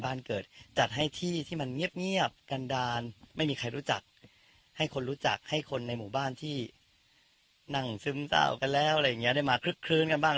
บ้านที่นั่งซึมเต้ากันแล้วอะไรอย่างเงี้ยได้มาคลึกคลื้นกันบ้าง